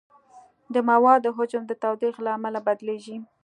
د موادو حجم د تودوخې له امله بدلېږي.